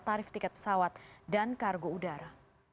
tarif tiket pesawat dan kargo udara